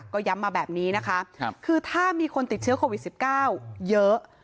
ก็ย้ำมาแบบนี้นะคะคือถ้ามีคนติดเชื้อโควิด๑๙เยอะ